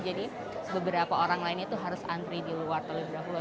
jadi beberapa orang lain itu harus antri di luar teluk ibrahulu